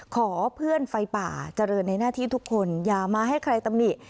ขอเพื่อนไฟป่าเจริญในหน้าที่ทุกคนอย่ามาให้ใครตำหนิ